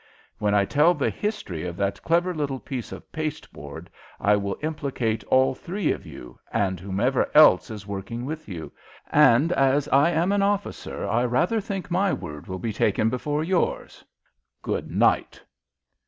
When I tell the history of that clever little piece of pasteboard I will implicate all three of you, and whomever else is working with you, and as I am an officer I rather think my word will be taken before yours. Good night!"